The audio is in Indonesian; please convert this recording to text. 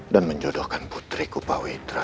dan menjodohkan putriku pawitra